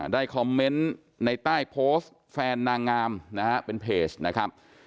ได้คอมเมนต์ในใต้โพสต์แฟนนางงามนะฮะเป็นเพจนะครับ